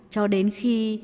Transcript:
cho đến khi